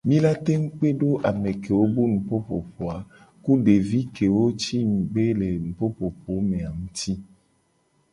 Mi la tengu kpe do ame kewo bu nupopopo a nguti ku devi kewo ci ngugbe le nupopopo me a.